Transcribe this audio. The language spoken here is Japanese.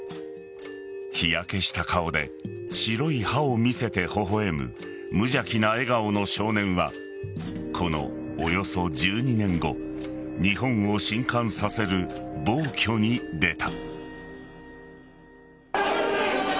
日焼けした顔で白い歯を見せて微笑む無邪気な笑顔の少年はこのおよそ１２年後日本を震撼させる暴挙に出た。